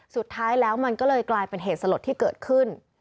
สุดท้ายแล้วมันก็เลยกลายเป็นเหตุสลดที่เกิดขึ้น